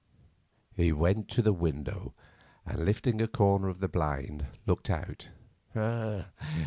He went to the window, and, lifting a corner of the blind, looked out.